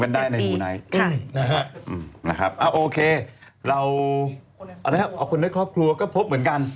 เราเอาคนในครอบครัวก็พบเหมือนกัน